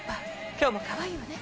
今日もかわいいわね